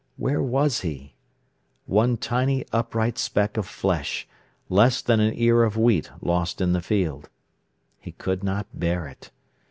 Where was he?—one tiny upright speck of flesh, less than an ear of wheat lost in the field. He could not bear it.